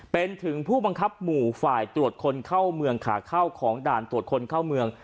เป็นถึงผู้บังคับหมู่ฝ่ายตรวจคนเข้าเมืองขาเข้าของด่านตรวจคนเข้าเมือง